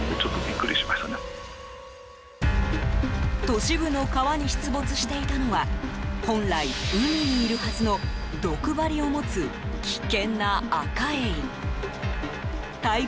都市部の川に出没していたのは本来、海にいるはずの毒針を持つ危険なアカエイ。